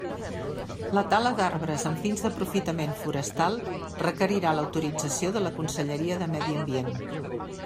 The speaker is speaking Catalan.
La tala d'arbres amb fins d'aprofitament forestal requerirà l'autorització de la Conselleria de Medi Ambient.